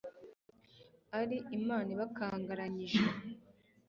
ari imana ibakangaranyije